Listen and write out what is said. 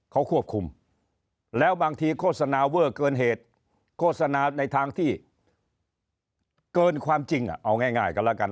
เขาควบคุมแล้วบางทีโฆษณาเวอร์เกินเหตุโฆษณาในทางที่เกินความจริงเอาง่ายกันแล้วกัน